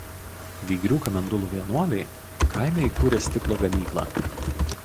Vygrių Kamendulų vienuoliai kaime įkūrė stiklo gamyklą.